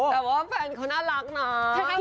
แต่ว่าแฟนคนน่ารักน้อย